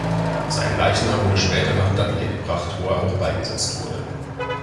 Sein Leichnam wurde später nach Dudley gebracht, wo er auch beigesetzt wurde.